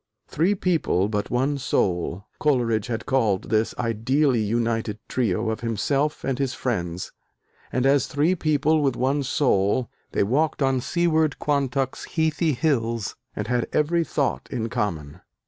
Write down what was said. "Three people but one soul," Coleridge had called this ideally united trio of himself and his friends; and as "three people with one soul," they "walked on seaward Quantock's heathy hills," and had every thought in common.